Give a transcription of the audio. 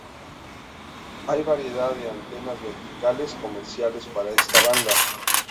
Hay variedad de antenas verticales comerciales para esta banda.